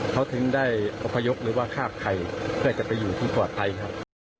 เขาถึงได้อพยพหรือว่าฆ่าไข่เพื่อจะไปอยู่ที่ปลอดภัยครับ